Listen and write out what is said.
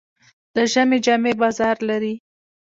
د ژمي جامې بازار لري.